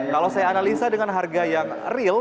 kalau saya analisa dengan harga yang real